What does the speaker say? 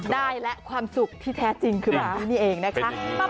ได้และความสุขที่แท้จริงคือแบบนี้นี่เองนะคะ